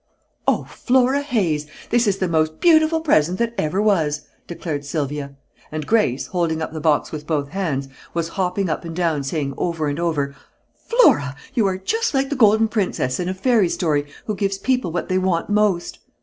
"Oh, Flora Hayes! This is the most beautiful present that ever was!" declared Sylvia; and Grace, holding the box with both hands, was hopping up and down saying over and over: "Flora! You are just like the Golden Princess in a fairy story who gives people what they want most."